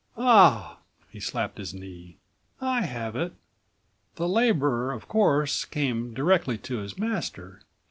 "Ah!" he slapped his knee, "I have it! The laborer of course came directly to his master.